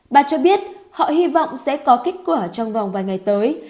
bà cho biết họ hy vọng sẽ có kết quả trong vòng vài ngày tới